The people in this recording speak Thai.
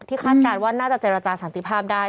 คาดการณ์ว่าน่าจะเจรจาสันติภาพได้